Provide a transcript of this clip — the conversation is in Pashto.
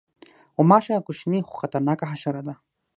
غوماشه کوچنۍ خو خطرناکه حشره ده.